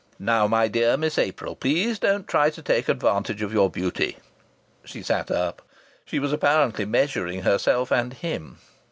"Now, my dear Miss April, please don't try to take advantage of your beauty!" She sat up. She was apparently measuring herself and him.